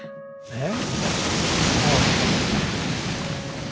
えっ？